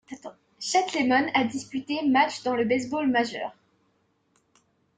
Chet Lemon a disputé matchs dans le baseball majeur.